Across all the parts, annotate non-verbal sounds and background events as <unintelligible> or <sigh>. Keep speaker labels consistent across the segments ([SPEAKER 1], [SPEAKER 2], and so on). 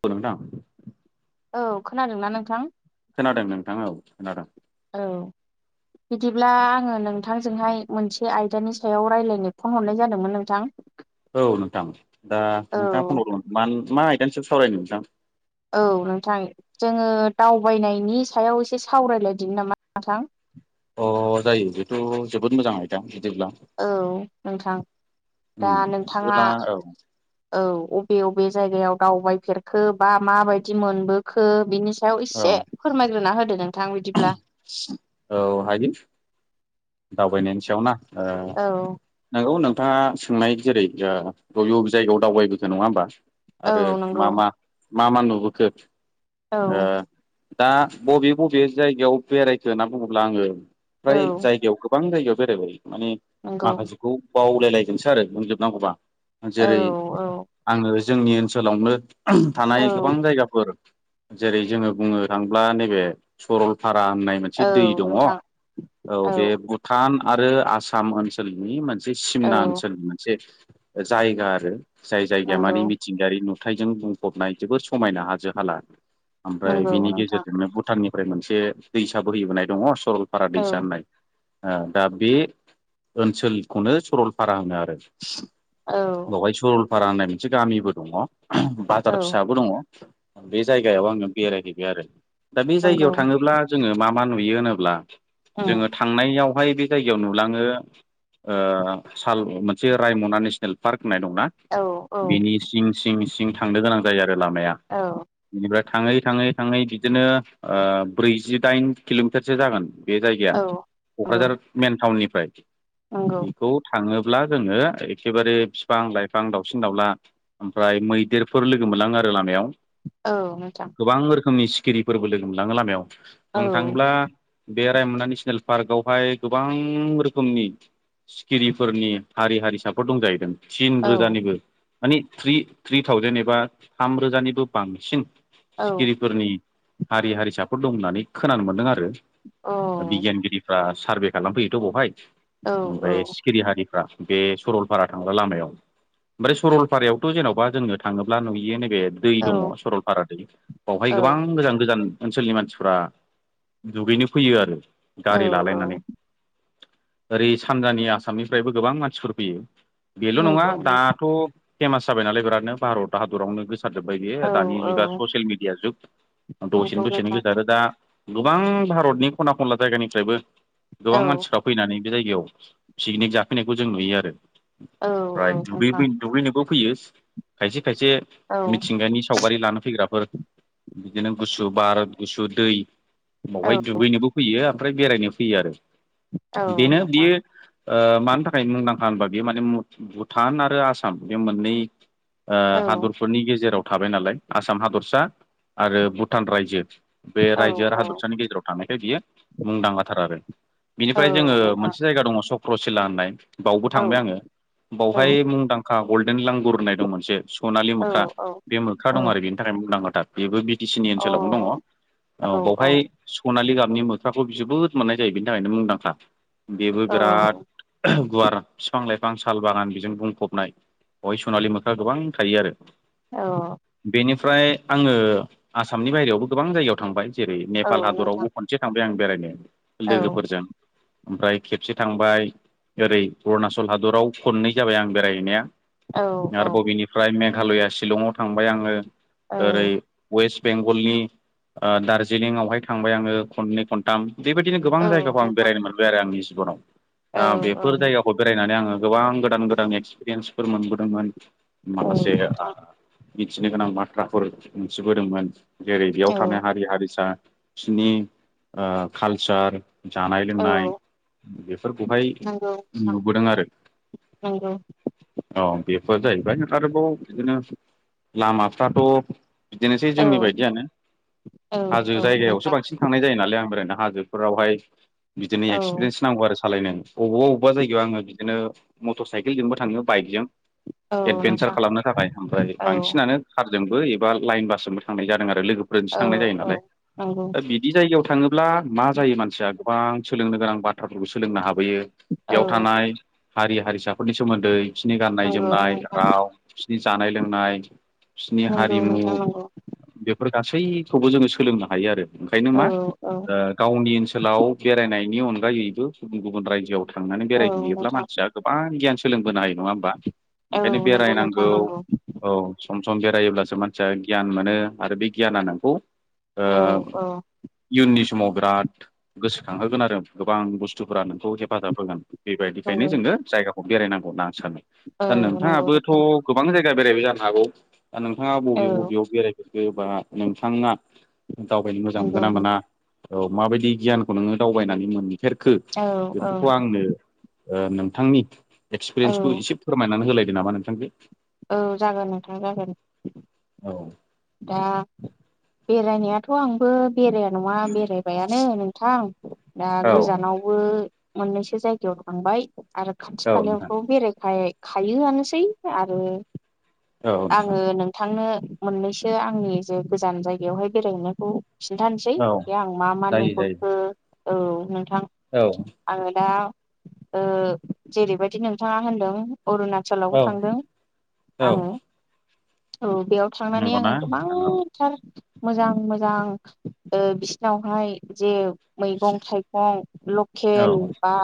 [SPEAKER 1] फोर नोंथां
[SPEAKER 2] औ खोनादोंना नोंथां?
[SPEAKER 1] खोनादों नोंथां औ खोनादों।
[SPEAKER 2] औ बिदिब्ला आङो नोंथांजोंहाय मोनसे आयदानि सायाव रायजलायनो फन हरनाय जादोंमोन नोंथां।
[SPEAKER 1] औ नोंथां दा
[SPEAKER 2] औ
[SPEAKER 1] नोंथाङा फन हरगमोन मानो मा आयदानिसम सावरायनो नोंथां।
[SPEAKER 2] औ नोंथां जोङो दावबायनायनि सायाव एसे सावरायलायदि नामा नोंथां?
[SPEAKER 1] अ जायो बेथ' जोबोद मोजां आयदा। बिदिब्ला
[SPEAKER 2] औ नोंथां दा
[SPEAKER 1] उम
[SPEAKER 2] नोंथाङा
[SPEAKER 1] बिदिब्ला औ
[SPEAKER 2] औ अबे अबे जायगायाव दावबाय होफेरखो बा मााबायदि मोनबोखो बिनि सायाव
[SPEAKER 1] औ
[SPEAKER 2] एसे फोरमायग्रोना होदो नोंथां बिदि
[SPEAKER 1] औ हायो दावबायनायनि सायाव ना। औ
[SPEAKER 2] औ
[SPEAKER 1] नंगौ नौ नोंथाङा सोंनाय जेरै बबे बबे जायगायाव दावबायबोखो नङा होमबा?
[SPEAKER 2] औ
[SPEAKER 1] आरो मा
[SPEAKER 2] नंगौ
[SPEAKER 1] मा मा मा नुबोखो
[SPEAKER 2] औ
[SPEAKER 1] ओ दा बबे बबे जायगायाव बेरायखो होनना बुङोब्ला आङो फ्राय
[SPEAKER 2] औ
[SPEAKER 1] जायगायाव गोबां जायगायाव बेरायबाय माने
[SPEAKER 2] नंगौ
[SPEAKER 1] माखासेखौ बावलायलायदोंसो आरो मोनजोबनांगौबा
[SPEAKER 2] औ
[SPEAKER 1] जेरै आङो जोंनि ओनसोलावनो
[SPEAKER 2] औ
[SPEAKER 1] थानाय गोबां जायगाफोर जेरै जोङो बुंनो थांब्ला नैबे सरलपारा होननाय मोनसे
[SPEAKER 2] औ
[SPEAKER 1] दै दङ
[SPEAKER 2] नोंथां
[SPEAKER 1] औ
[SPEAKER 2] औ
[SPEAKER 1] बे भुटान आरो आसाम ओनसोलनि मोनसे सिमना
[SPEAKER 2] औ
[SPEAKER 1] ओनसोलनि मोनसे जायगा आरो। जाय जायगाया
[SPEAKER 2] नंगौ
[SPEAKER 1] मानिे मिथिंगायारि नुथायजों बुंफबनाय जोबोर समायना हाजो हाला ओमफ्राय
[SPEAKER 2] नंगौ
[SPEAKER 1] बिनि
[SPEAKER 2] नोंथां
[SPEAKER 1] गेजेरजोंनो भुटाननिफ्राय मोनसे दैसा बोहैबोनाय दङ। सरलपारा
[SPEAKER 2] औ
[SPEAKER 1] दैसानाय दा बे ओनसोलखौनो सरलफारा होनो आरो।
[SPEAKER 2] औ
[SPEAKER 1] बेवहाय सरलपारा होननाय मोनसे गामिबो दङ। बाजार
[SPEAKER 2] औ
[SPEAKER 1] फिसाबो दङ बे जायगायाव आङो बेरायहैबाय आरो। दा बे
[SPEAKER 2] नंगौ
[SPEAKER 1] जायगायाव थाङोब्ला जोङो मा मा नुयो होनोब्ला
[SPEAKER 2] उम
[SPEAKER 1] जोङो थांनायाव हाय बे जायगायाव नुलाङो साल मोनसे रायमना नेसनेल पार्क नाय दंना
[SPEAKER 2] औ औ
[SPEAKER 1] बेनि सिं सिं सिं थांनो गोनां जायो आरो लामाया।
[SPEAKER 2] औ
[SPEAKER 1] बेनिफ्राय थाङै थाङै थाङै बिदिनो ब्रैजिदाइन किल'मिटारसो जागोन। बे जायगाया
[SPEAKER 2] औ नंगौ
[SPEAKER 1] क'क्राझार मेन टाउननिफ्राय
[SPEAKER 2] नंगौ
[SPEAKER 1] बेखौ थाङोब्ला। जोङो एखेबारे बिफां लाइफां दाउसिन दाउला ओमफ्राय मैदेरफोर लोगो मोनलां आरो। लामायाव
[SPEAKER 2] औ नोंथां
[SPEAKER 1] गोबां रोखोमनि सिखिरिफोरबो लोगो मोनलाङो लामायाव
[SPEAKER 2] औ
[SPEAKER 1] बुंनो थाङोब्ला। बे रायमना नेसनेल पार्कआवहाय गोबां रोखोमनि सिखिरिफोरनि हारि हारिसाफोर दंजाहैदों थिन
[SPEAKER 2] औ
[SPEAKER 1] रोजानिबो मानिे थ्रि थ्रि थावजेेन एबा थामरोजानिबो बांसिन
[SPEAKER 2] औ
[SPEAKER 1] सिखिरिफोरनि हारि हारिसाफोर दं होननानै खोनानो मोनदों आरो।
[SPEAKER 2] औ
[SPEAKER 1] बिगियानगिरिफ्रा सारभे खालामफैयोथ' बहाय।
[SPEAKER 2] औ
[SPEAKER 1] ओमफ्राय सिखिरि हारिफ्रा बे सरलपारा थांग्रा लामायाव ओमफ्राय सरलपारायावथ जेनबा जोंनो थाङोब्ला नुयो नैबे दै
[SPEAKER 2] औ
[SPEAKER 1] दङ सरलपारा दै बावहाय
[SPEAKER 2] औ
[SPEAKER 1] गोबां मोजान गोजान ओनसोलनि मानसिफ्रा दुगैनो फैयो आरो गारि
[SPEAKER 2] औ
[SPEAKER 1] लालायनानै। ओरै सानजानि आसामनिफ्रायबो गोबां मानसिफोर फैयो बेल नङा
[SPEAKER 2] नंगौ नों
[SPEAKER 1] दाथ फेमास जाबाय नालाय बिरादनो भारत हादरावनो गोसारजोबबाय।
[SPEAKER 2] औ
[SPEAKER 1] दानि
[SPEAKER 2] औ
[SPEAKER 1] जुगा ससियेल मिडिया जुग
[SPEAKER 2] नंगौ
[SPEAKER 1] दसेनो दसेनो
[SPEAKER 2] नोंथां
[SPEAKER 1] गोसारो दा। गोबां भारतनि खना खनला जायगानिफ्रायबो
[SPEAKER 2] औ
[SPEAKER 1] गोबां मानसिफ्रा फैनानै बे जायगायाव पिकनिक जाफैनायखौ जों नुयो आरो।
[SPEAKER 2] औ
[SPEAKER 1] ओमफ्राय
[SPEAKER 2] औ
[SPEAKER 1] दुगैबो
[SPEAKER 2] नोंथां
[SPEAKER 1] दुगैनोबो फैयो खायसे खायसे
[SPEAKER 2] औ
[SPEAKER 1] मिथिंगानि सावगारि लानो फैग्राफोर बिदिनो गुसु बार गुसु दै
[SPEAKER 2] औ
[SPEAKER 1] बावहाय दुगैनोबो फैयो ओमफ्राय बेरायनो फैयो आरो
[SPEAKER 2] औ
[SPEAKER 1] बेनो
[SPEAKER 2] नोंथां
[SPEAKER 1] बियो ओ मानि थाखाय मुंदांखा होनबा बेयो माने भुटान आरो आसाम बे मोननै ओ
[SPEAKER 2] औ
[SPEAKER 1] हादरफोरनि गेजेराव थाबाय नालाय आसाम हादरसा आरो भुटान रायजो बे
[SPEAKER 2] औ
[SPEAKER 1] रायजो आरो हादरसानि गेजेराव थानायखाय बियो मुंदांखाथार आरो बिनिफ्राय
[SPEAKER 2] औ
[SPEAKER 1] जोङो
[SPEAKER 2] नोंथां
[SPEAKER 1] मोनसे जायगा दङ सक ख्रसिला होननाय बावबो
[SPEAKER 2] औ
[SPEAKER 1] थांबाय आङो
[SPEAKER 2] औ
[SPEAKER 1] बावहाय मुंदांखा गल्डेन लांगुर होननाय दं मोनसे सनालि मोख्रा
[SPEAKER 2] औ
[SPEAKER 1] बे मोख्रा दं आरो बेनि थाखाय मुंदांखाथार बेबो बि टि सि नि ओनसोलावनो दङ ओ बेवहाय सनालि गाब नि मोख्राखौ जोबोद मोननाय जायो बेनि थाखायनो मुंदांखा
[SPEAKER 2] औ
[SPEAKER 1] बेबो
[SPEAKER 2] औ
[SPEAKER 1] बिराद गुवार बिफां लाइफां साल बागान बिजों बुंफबनाय बेहाय सनालि मोख्रा गोबां थायो आरो
[SPEAKER 2] औ
[SPEAKER 1] ओमफ्राय आङो आसामनि बाहेरायावबो गोबां जायगायाव थांबाय जेरै
[SPEAKER 2] औ
[SPEAKER 1] नेपाल हादरावबो
[SPEAKER 2] नोंथां
[SPEAKER 1] खनसे थांबाय आं बेरायनो नो
[SPEAKER 2] औ
[SPEAKER 1] लोगोफोर जों ओमफ्राय खेबसे थांबाय ओरै अरुणाचल हादराव खननै जाबाय आं बेरायहैनाया
[SPEAKER 2] औ औ
[SPEAKER 1] आरबाव बबेनिफ्राय मेघालया शिलंआव थांबाय आङो
[SPEAKER 2] औ
[SPEAKER 1] ओरै वेस्ट बेंगलनि ओ दार्जिलिंआवहाय थांबाय आङो खननै खनथाम बेबायदिनो गोबां
[SPEAKER 2] औ
[SPEAKER 1] जायगाखौ आं
[SPEAKER 2] नोंथां
[SPEAKER 1] बेरायनो मोनबाय आरो आंनि जिबनाव
[SPEAKER 2] औ
[SPEAKER 1] दा
[SPEAKER 2] औ
[SPEAKER 1] बेफोर जायगाखौ बेरायनानै आङो गोबां गोदान गोदान एक्सपिरियेन्सफोर मोनबोदोंमोन
[SPEAKER 2] औ
[SPEAKER 1] माखासे आ
[SPEAKER 2] नोंथां
[SPEAKER 1] मिथिनो गोनां बाथ्राफोर मोनथिबोदोंमोन जेरै बेयाव
[SPEAKER 2] औ
[SPEAKER 1] थानाय हारि हारिसा फिनि कालसार जानाय लोंनाय
[SPEAKER 2] औ
[SPEAKER 1] बेफोरखौहाय
[SPEAKER 2] नंगौ नोंथां
[SPEAKER 1] नुबोदों आरो
[SPEAKER 2] नंगौ
[SPEAKER 1] औ बेफोर जाहैबाय आरोबाव बिदिनो लामाफ्राथ बिदिनोसै
[SPEAKER 2] औ
[SPEAKER 1] जोंनि बायदियानो
[SPEAKER 2] औ
[SPEAKER 1] हाजो जायगायावसो
[SPEAKER 2] नोंथां
[SPEAKER 1] बांसिन थांनाय जायो नालाय आं बेरायनो हाजोफोरावहाय बिदिनो
[SPEAKER 2] औ
[SPEAKER 1] एक्सपिरियेन्स नांगौ आरो सालायनाय अबावबा अबावबा जगायाव आङो बिदिनो मटर साइकेलजोंबो थाङो बाइकजों
[SPEAKER 2] औ
[SPEAKER 1] एडभेन्सार
[SPEAKER 2] नोंथां
[SPEAKER 1] खालामनो थाखाय ओमफ्राय
[SPEAKER 2] औ
[SPEAKER 1] बांसिनानो कारजोंबो एबा लाइन बासजोंबो थांनाय जादों आरो लोगोफोरसो
[SPEAKER 2] औ
[SPEAKER 1] थांनाय जायो नालाय
[SPEAKER 2] नंगौ
[SPEAKER 1] दा बिदि जायगायाव थाङोब्ला मा जायो मानसिया गोबां सोलोंनो गोनां बाथ्राफोरखौ सोलोंनो हाब बोयो
[SPEAKER 2] औ
[SPEAKER 1] बेयाव थानाय हारि हारिसाफोरनि सोमोन्दै बिसोरनि गाननाय
[SPEAKER 2] नंगौ
[SPEAKER 1] जोमनाय
[SPEAKER 2] नोंथां
[SPEAKER 1] राव बिसोरनि जानाय लोंनाय फिसनि
[SPEAKER 2] नंगौ
[SPEAKER 1] हारिमु
[SPEAKER 2] नोंथां नंगौ
[SPEAKER 1] बेफोर गासैखौबो जोङो सोलोंनो हायो आरो ओंखायनो
[SPEAKER 2] औ
[SPEAKER 1] मा
[SPEAKER 2] औ
[SPEAKER 1] ओ गावनि ओनसोलाव बेरायनायनि अनगायैबो गुबुन गुबुन रायजोआव थांनानै
[SPEAKER 2] औ
[SPEAKER 1] बेरायहैयोब्ला
[SPEAKER 2] नोंथां
[SPEAKER 1] मानसिया गोबां गियान सोलोंबोनो हायो नङा होमबा?
[SPEAKER 2] औ
[SPEAKER 1] ओंखायनो
[SPEAKER 2] नंगौ नोंथां
[SPEAKER 1] बेरायनांगौ
[SPEAKER 2] नंगौ
[SPEAKER 1] सम सम बेरायोब्लासो मानसिया गियान मोनो आरो बे गियाना नोंखौ ओ
[SPEAKER 2] औ औ
[SPEAKER 1] इयुननि समाव बिराद गोसोखांहोगोन आरो गोबां बुस्थुफोरा नोंखौ हेफाजाब होगोन बेबायदिखायनो
[SPEAKER 2] नंगौ
[SPEAKER 1] जोङो जायगाखौ बेरायनांगौ होनना आं सानो
[SPEAKER 2] औ
[SPEAKER 1] दा
[SPEAKER 2] नंगौ
[SPEAKER 1] नोंथाङाबोथ गोबां जायगा बेरायबाय जा हागौ दा नोंथाङा
[SPEAKER 2] औ
[SPEAKER 1] बबे बबेयाव बेरायफेरखो बा नोंथाङा दावबायनो मोजां
[SPEAKER 2] नंगौ
[SPEAKER 1] मोनगोना मोना
[SPEAKER 2] नोंथां
[SPEAKER 1] औ माबायदि गियान नोङो दावबायनानै मोनफेरखो
[SPEAKER 2] औ
[SPEAKER 1] बेफोरखौ आंनो नोंथांनि
[SPEAKER 2] औ
[SPEAKER 1] एक्सपिरियेन्सखौ एसे फोरमायनानै होलायदो नामा नोंथां दे
[SPEAKER 2] औ जागोन नोंथां जागोन।
[SPEAKER 1] औ
[SPEAKER 2] दा बेरायनायाथ' आंबो बेराया नङा बेरायबायानो नोंथां दा
[SPEAKER 1] औ
[SPEAKER 2] गोजानावबो मोननैसो जायगायाव थांबाय आरो खाथि
[SPEAKER 1] औ नोंथां
[SPEAKER 2] खालायावथ' बेरायेखाय खायोआनोसै आरो
[SPEAKER 1] औ नोंथां
[SPEAKER 2] आङो नोंथांनो मोननैसो बे आंनि जे गोजान जायगायावहाय बेरायहैनायखौ खिन्थानोसै
[SPEAKER 1] औ
[SPEAKER 2] बे आं मा मा
[SPEAKER 1] जायो जायो
[SPEAKER 2] नुबोखो औ नों थां
[SPEAKER 1] औ
[SPEAKER 2] आङो दा ओ जेरैबायदि नोंथाङा होनदों अरुणाचलावबो
[SPEAKER 1] औ
[SPEAKER 2] थांदों
[SPEAKER 1] औ
[SPEAKER 2] आङो औ बेयाव थांनानै
[SPEAKER 1] नंगौना
[SPEAKER 2] आङो
[SPEAKER 1] नोंथां औ
[SPEAKER 2] गोबांथार मोजां मोजां ओ बिसिनावहाय जे मैगं थाइगं
[SPEAKER 1] औ
[SPEAKER 2] लकेल बा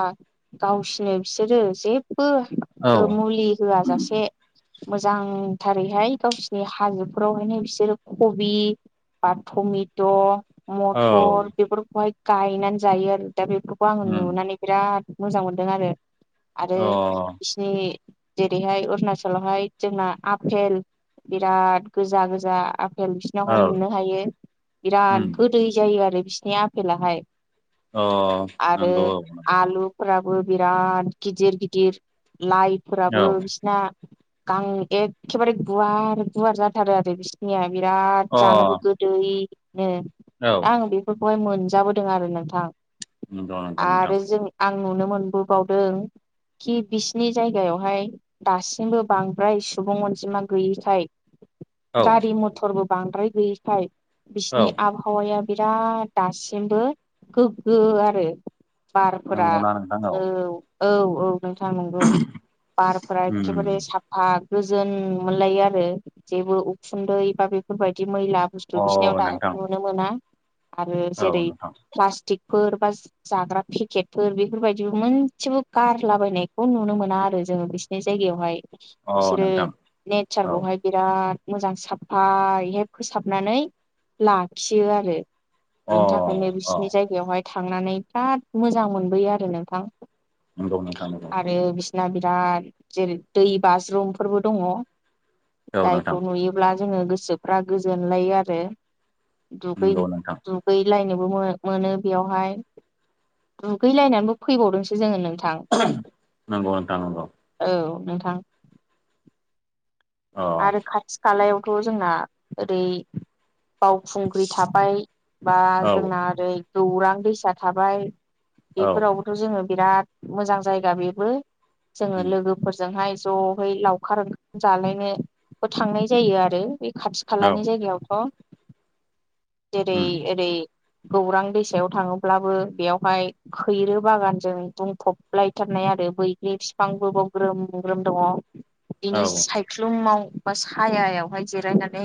[SPEAKER 2] गावसिनो बिसोरो जे बो
[SPEAKER 1] औ
[SPEAKER 2] ओ मुलि होआ जासे मोजांथारैहाय गावसिनि हाजोफोरावहायनो बिसोर कबि, बा टमेट',
[SPEAKER 1] औ
[SPEAKER 2] मथर बेफोरखौहाय गायनानै जायो आरो दा बेफोरखौ आं
[SPEAKER 1] उम
[SPEAKER 2] नुनानै बिराद मोजां मोनदों आरो। आरो
[SPEAKER 1] अ
[SPEAKER 2] बिसिनि जेरैहाय अरुणचलावहाय जोंना आफेल बिराद गोजा गोजा आ फेल बिसिनावहाय
[SPEAKER 1] औ
[SPEAKER 2] मोननो हायो
[SPEAKER 1] उम
[SPEAKER 2] बिराद गोदै जायो आरो बिसिनि आफेलाहाय।
[SPEAKER 1] अ
[SPEAKER 2] आरो
[SPEAKER 1] नंगौ औ नंगौ
[SPEAKER 2] आलुफोरा बो बिराद गिदिर गिदिर लाइफोराबो
[SPEAKER 1] औ
[SPEAKER 2] बिसिना गां एखेबारे गुवार गुवार जाथारो आरो बिसनिया बिराद
[SPEAKER 1] अ
[SPEAKER 2] जानोबो गोदैनो
[SPEAKER 1] औ
[SPEAKER 2] दा आं बेफोरखौहाय मोन जाबोदों आरो नोंथां।
[SPEAKER 1] नोंगौ नोंगौ नोंथां
[SPEAKER 2] आरो जों आं नुनो मोनबोबावदों खि बिसिनि जायगायावहाय दासिमबो बांद्राय सुबुं अनजिमा गैयिखाय
[SPEAKER 1] औ
[SPEAKER 2] गारि मथरबो बांद्राय गैयिखाय
[SPEAKER 1] औ
[SPEAKER 2] बिसिनि आबहावाया बिराद दासिमबो गोग्गो आरो बारफोरा
[SPEAKER 1] नंगौना नोंथां
[SPEAKER 2] औ औ औ नोंथां नंगौ बारफोरा
[SPEAKER 1] उम
[SPEAKER 2] एखेबारे साफा गोजोन मोनलायो आरो जेबो उखुन्दै बा बेफोरबायदि मैला बुस्थु
[SPEAKER 1] अ
[SPEAKER 2] बिसिनियाव दा
[SPEAKER 1] नोंथां
[SPEAKER 2] नुनो मोना आरो
[SPEAKER 1] औ
[SPEAKER 2] जेरै
[SPEAKER 1] नोंथां
[SPEAKER 2] प्लास्टिक फोर बा जाग्रा पेकेटफोर बेफोरबायदिबो मोनसेबो गारलाबायनायखौ नुनो मोना आरो जों बिसिनि जायगायावहाय बिसोरो
[SPEAKER 1] औ
[SPEAKER 2] नेचारखौहाय
[SPEAKER 1] अ
[SPEAKER 2] बिराद मोजां साफायैहाय फोसाबनानै लाखियो आरो। बिनि थाखायनो
[SPEAKER 1] अ
[SPEAKER 2] बिसिनि जायगायावहाय थांनानै बिराद मोजां मोनबोयो आरो नोंथां।
[SPEAKER 1] नोंगौ नोंथां नोंगौ
[SPEAKER 2] दा बिराद जेरै दै बाज्रुमफोरबो दङ'
[SPEAKER 1] औ नोंथां।
[SPEAKER 2] दिब्ला जोंओ गोसोफ्रा गोजोन लायो आरो दुगै
[SPEAKER 1] नंगौ नोंथां
[SPEAKER 2] दुगैलायनो बो मो-मोनो बेयावहाय दुगैलायनानैबो फैबावदोंसो जोङो नों
[SPEAKER 1] <unintelligible> नोंगौ नोंथां नोंगौ।
[SPEAKER 2] औ नोंथां।
[SPEAKER 1] अ
[SPEAKER 2] आरो खाथि खालायावथ' जोंना ओरै बावखुंग्रि थाबाय बा
[SPEAKER 1] औ
[SPEAKER 2] जोंना ओरै गौरां दैसा थाबाय
[SPEAKER 1] औ औ
[SPEAKER 2] बेफोरावबोथ' जोङो बिराद मोजां जायगा बेबो जोङो लोगोफोरजोंहाय ज'है लावखार ओंखाम जालायनो बो थांनाय जायो आरो। बे खाथि खालानि जायगायावथ' जेरै एरै गौरां दैसायाव थाङोब्लाबो बेयावहाय खैरो बागानजों बुंफबलायथारनाय आरो बैग्रि फिफांबोबाव ग्रोम ग्रोम दङ' बिनि
[SPEAKER 1] औ
[SPEAKER 2] सायख्लुमाव बा सायायावहाय जिरायनानै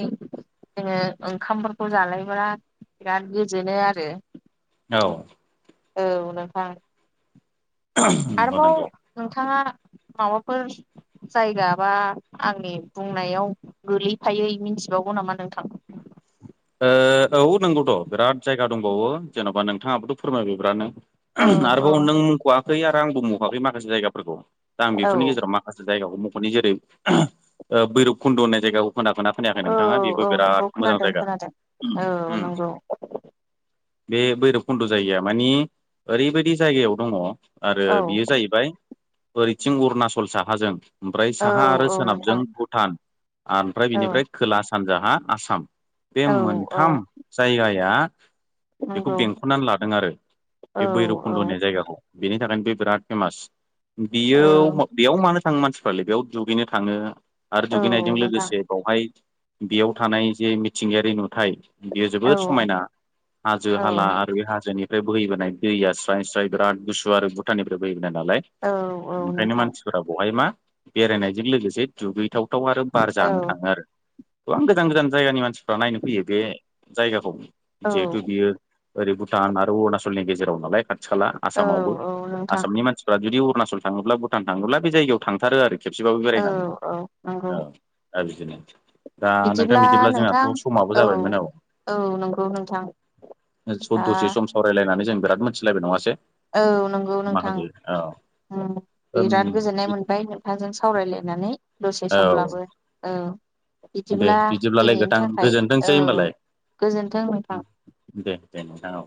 [SPEAKER 2] जोङो ओंखामफोरखौ जालायब्ला बिराद गोजोनो आरो।
[SPEAKER 1] औ।
[SPEAKER 2] औ नोंथां आरोबाव
[SPEAKER 1] नंगौ
[SPEAKER 2] नोंथाङा माबाफोर। जायगा बा आंनि बुंनायाव गोगलैफायै मिथिबावगौ नामा नोंथां? <inaudible>
[SPEAKER 1] ओ औ नोंगौथ' बिराद जायगा दंबावो जेन'बा नोंथाङाबोथ' फोरमाय बिरादनो।
[SPEAKER 2] औ औ
[SPEAKER 1] आरोबाव नों मख'वाखै आरो आंबो मख'वाखै माखासे जायगाफोरखौ दा आं
[SPEAKER 2] औ
[SPEAKER 1] बेफोरनि गेजेराव माखासे। जायगाखौ मख'नि जेरै ओ बैरब खुन्द' होननाय जायगायाव खोनागोना खोनायाखै
[SPEAKER 2] औ
[SPEAKER 1] नोंथाङा
[SPEAKER 2] औ
[SPEAKER 1] बेबो
[SPEAKER 2] नंगौ
[SPEAKER 1] बिराद मोजां
[SPEAKER 2] खोनादों
[SPEAKER 1] जायगा।
[SPEAKER 2] खोनादों औ
[SPEAKER 1] उम
[SPEAKER 2] नोंगौ।
[SPEAKER 1] बे बैरब खुन्द' जायगाया मानि ओरैबायदि जायगायाव दङ आरो
[SPEAKER 2] औ
[SPEAKER 1] बेयो जाहैबाय ओरैथिं अरुणाचल साहाजों ओमफ्राय
[SPEAKER 2] औ
[SPEAKER 1] साहा आरो
[SPEAKER 2] औ
[SPEAKER 1] सोनाबजों
[SPEAKER 2] नोंथां
[SPEAKER 1] भुटान। आमफ्राय
[SPEAKER 2] औ
[SPEAKER 1] बिनिफ्राय खोला सानजाहा आसाम बे
[SPEAKER 2] औ औ
[SPEAKER 1] मोनथाम जायगाया। बेखौ
[SPEAKER 2] नंगौ
[SPEAKER 1] बेंख'नानै लादों आरो
[SPEAKER 2] औ
[SPEAKER 1] बे भैरब
[SPEAKER 2] औ
[SPEAKER 1] खुन्द'होननाय जायगाखौ। बेनि थाखायनो बे बिराद फेमास बियो
[SPEAKER 2] औ
[SPEAKER 1] बेयाव मानो थां मानसिफ्रालाय बेयाव दुगैनो थाङो आरो
[SPEAKER 2] औ
[SPEAKER 1] दुगैनायजों
[SPEAKER 2] नोंथां
[SPEAKER 1] लोगोसे बेवहाय बेयाव थानाय जे मिथिंगायारि नुथाय बेयो
[SPEAKER 2] औ
[SPEAKER 1] जोबोद समायना हाजो
[SPEAKER 2] औ
[SPEAKER 1] हाला आरो बे हाजोनि फ्राय बोहैबोनाय दैया स्राय स्राय बिराद गुसु आरो भुटाननिफ्राय बोय। नालाय
[SPEAKER 2] औ औ
[SPEAKER 1] ओंखायनो
[SPEAKER 2] नोंथां
[SPEAKER 1] मानसिफोरा बेहाय मा बेरायनायजों लोगोसे दुगैथाव। थाव आरो बार जानो
[SPEAKER 2] औ
[SPEAKER 1] थाङो आरो गोबां गोजान गोजान जायगानि मानसि। फ्रा नायनो फैयो बे जायगाखौ
[SPEAKER 2] औ
[SPEAKER 1] जिहेथु बियो ओरै भु भुटान आरो अरुणाचलनि गेजेराव नालाय खाथि खाला
[SPEAKER 2] औ
[SPEAKER 1] आसामावबो
[SPEAKER 2] औ नोंथां
[SPEAKER 1] आसामनि मानसिफ्रा जुदि। अरुणाचल थाङोब्ला भुटान थाङोब्ला बे जायगायाव थांथारो आरो खेबसेबाबो
[SPEAKER 2] औ
[SPEAKER 1] बेरायनानै
[SPEAKER 2] औ नंगौ
[SPEAKER 1] औ। दा बिदिनो दा नोंथां बिदिब्ला जोंहा। औ समाबो जाबायमोन औ
[SPEAKER 2] औ नंगौ नोंथां दा
[SPEAKER 1] सद द'से सम सावरायलायनानै जों। बिराद मोनानथिलायबाय नङासै।
[SPEAKER 2] औ नोंगौ नोंथां।
[SPEAKER 1] माखासे औ
[SPEAKER 2] बिराद गोजोननाय मोनबाय नोंथांजों सावरायलायनानै दसे
[SPEAKER 1] औ
[SPEAKER 2] समब्लाबो औ।
[SPEAKER 1] दे
[SPEAKER 2] बिदिब्ला
[SPEAKER 1] बिदिब्लालाय
[SPEAKER 2] दिनैनि
[SPEAKER 1] गोथां
[SPEAKER 2] थाखाय
[SPEAKER 1] गोजोनथोंसै
[SPEAKER 2] औ
[SPEAKER 1] होमबालाय
[SPEAKER 2] गोजोनथों नोंथां।
[SPEAKER 1] दे दे नोंथां औ।